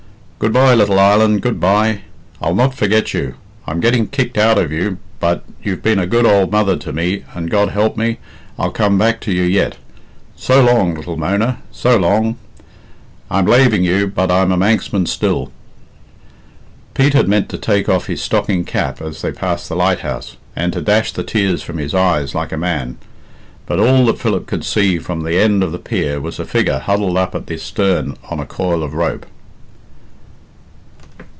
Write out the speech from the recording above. "Good bye, little island, good bye! I'll not forget you. I'm getting kicked out of you, but you've been a good ould mother to me, and, God help me, I'll come back to you yet. So long, little Mona, s'long? I'm laving you, but I'm a Manxman still." Pete had meant to take off his stocking cap as they passed the lighthouse, and to dash the tears from his eyes like a man. But all that Philip could see from the end of the pier was a figure huddled up at the stern on a coil of rope.